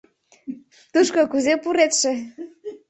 Тушко кузе пуретше?